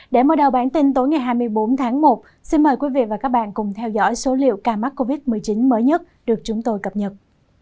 để mở đầu bản tin tối ngày hai mươi bốn tháng một xin mời quý vị và các bạn cùng theo dõi số liệu ca mắc covid một mươi chín mới nhất được chúng tôi cập nhật